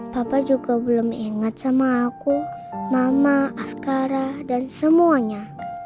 papa juga belum ingat sama aku mama askara dan semuanya